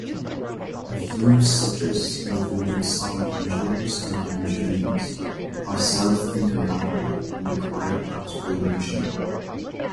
A few citrus, including some tangelos and tangerines, are self-incompatible, and require cross pollination.